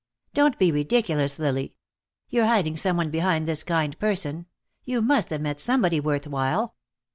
"Don't be ridiculous, Lily. You're hiding some one behind this kind person. You must have met somebody worth while."